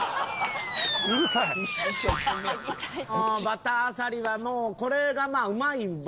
バターあさりはもうこれがまあうまいわな。